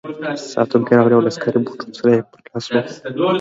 ساتونکی راغی او له عسکري بوټو سره یې پر لاس وخوت.